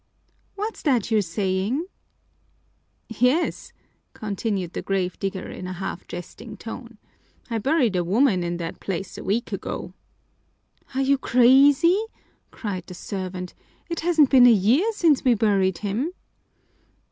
"What's that you're saying?" "Yes," continued the grave digger in a half jesting tone. "I buried a woman in that place a week ago." "Are you crazy?" cried the servant. "It hasn't been a year since we buried him."